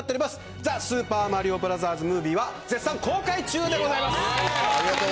ザ・スーパーマリオブラザーズ・ムービーは絶賛公開中です。